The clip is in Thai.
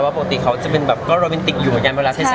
ว่าปกติเขาจะเป็นแบบก็โรมินติกอยู่อย่างเมื่อละเศรษฐการ